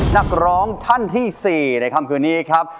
นักร้องท่านที่๔ในคำคืนนี้ครับ